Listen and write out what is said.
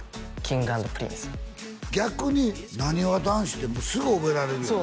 逆に「なにわ男子」ってもうすぐ覚えられるよな